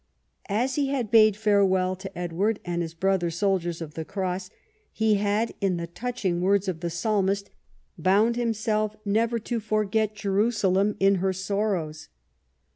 As he had bade farewell to Edward and his brother soldiers of the Cross, he had in the touching words of the Psalmist bound himself never to forget Jerusalem in her sorrows.